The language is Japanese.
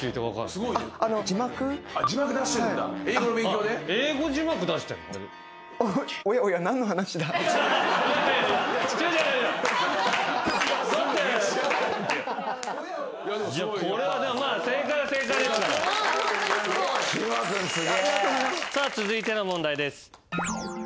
続いての問題です。